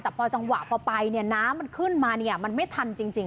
แต่พอจังหวะพอไปน้ำมันขึ้นมามันไม่ทันจริง